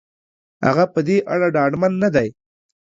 هغه په دې اړه ډاډمن نه دی.